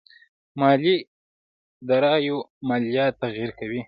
مالي داراییو ماليات تغير کوي.